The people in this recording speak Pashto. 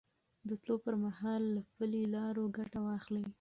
د تلو پر مهال له پلي لارو ګټه واخلئ.